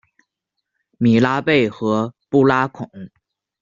米拉贝和布拉孔。